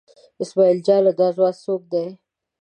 اسمعیل جانه دا ځوان څوک دی؟